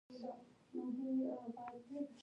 تولید په خپل نوي نظر او فکر عمل کول دي.